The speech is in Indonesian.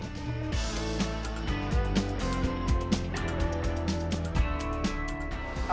berita terkini mengenai kesehatan di warung com